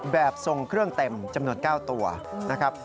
แบบทรงเครื่องเต็มจำนวน๙ตัวนะครับ